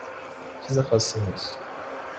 چیز خاصی نیست